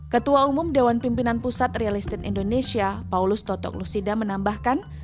ketua umum dewan pimpinan pusat real estate indonesia paulus totok lusida menambahkan